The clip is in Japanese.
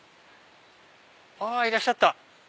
いらっしゃった！